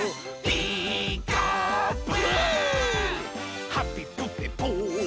「ピーカーブ！」